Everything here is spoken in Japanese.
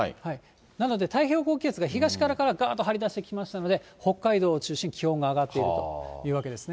なので太平洋高気圧が東側からぐーっと張り出してきましたので、北海道を中心に気温が上がっているというわけですね。